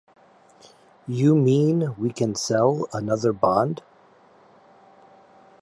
You mean we can sell another bond?